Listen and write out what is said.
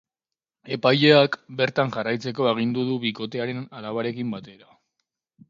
Epaileak bertan jarraitzeko agindu du bikotearen alabarekin batera.